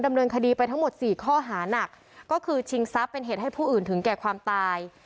ดำเนินคดีไปทั้งหมดสี่ข้อหานักก็คือชิงทรัพย์เป็นเหตุให้ผู้อื่นถึงแก่ความตาย